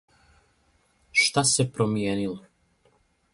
Шта се промијенило?